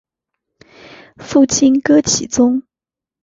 父亲戈启宗。